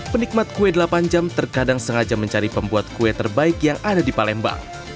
penikmat kue delapan jam terkadang sengaja mencari pembuat kue terbaik yang ada di palembang